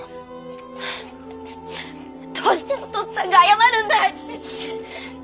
どうしてお父っつぁんが謝るんだい！